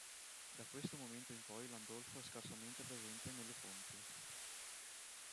Da questo momento in poi Landolfo è scarsamente presente nelle fonti.